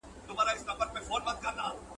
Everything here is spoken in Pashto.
• پر زردکه نه يم، پر خرپ ئې يم.